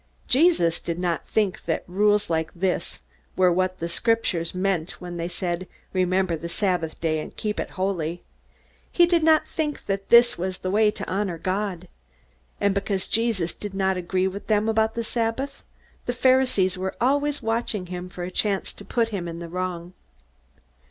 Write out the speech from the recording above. Jesus did not think that rules like this were what the Scriptures meant when they said, "Remember the sabbath day, to keep it holy." He did not think that this was the way to honor God. And because Jesus did not agree with them about the Sabbath, the Pharisees were always watching for a chance to put him in the wrong.